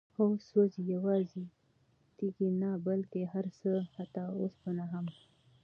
هو؛ سوزي، يوازي تيږي نه بلكي هرڅه، حتى اوسپنه هم